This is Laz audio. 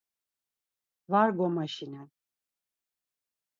Var gomaşinen.